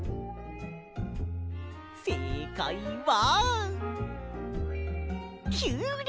せいかいはきゅうり！